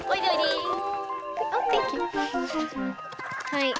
はい。